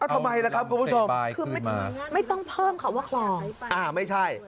เอาลำเซบายขึ้นมาไม่ต้องเพิ่มค่ะว่าคลองอ่าไม่ใช่